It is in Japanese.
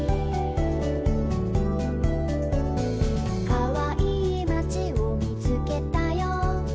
「かわいいまちをみつけたよ」